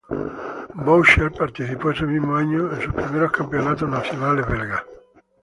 Boucher participó ese mismo año en sus primeros Campeonatos nacionales belgas.